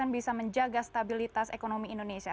bisa menjaga stabilitas ekonomi indonesia